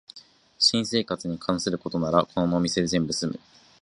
新生活に関することならこのお店で全部すむ